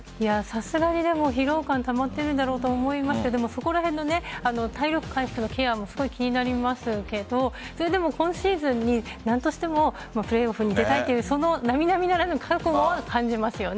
さすがに疲労感たまっているだろうと思いますけどそこらへんの体力回復のケアもすごい気になりますけど今シーズンに、何としてもプレーオフに出たいという並々ならぬ覚悟は感じますよね。